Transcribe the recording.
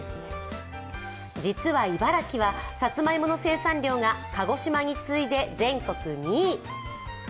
実は茨城は、さつまいもの生産量が鹿児島に次いで全国２位。